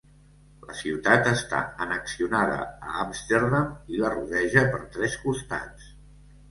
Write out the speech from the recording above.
La ciutat està annexionada a Amsterdam i la rodeja per tres costats.